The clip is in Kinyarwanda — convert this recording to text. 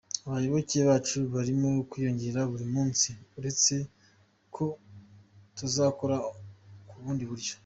Abayoboke bacu barimo kwiyongera buri munsi uretse ko tuzakora ku bundi buryo.